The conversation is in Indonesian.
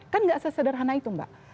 kan nggak sesederhana itu mbak